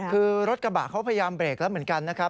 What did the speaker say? คือรถกระบะเขาพยายามเบรกแล้วเหมือนกันนะครับ